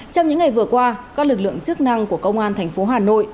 trong những ngày vừa qua các lực lượng chức năng của công an tp hà nội